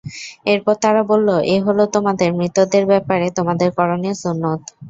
এরপর তারা বলল, এ হলো তোমাদের মৃতদের ব্যাপারে তোমাদের করণীয় সুন্নত।